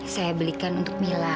saya belikan untuk mila